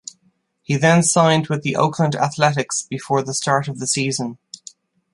He then signed with the Oakland Athletics before the start of the season.